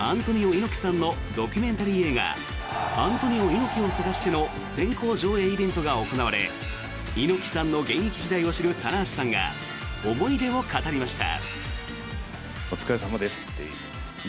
猪木さんのドキュメンタリー映画「アントニオ猪木をさがして」の先行上映イベントが行われ猪木さんの現役時代を知る棚橋さんが思い出を語りました。